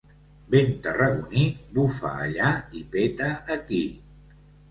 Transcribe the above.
Vent tarragoní, bufa allà i peta aquí.